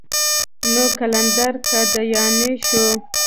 نو قلندر قادياني شو.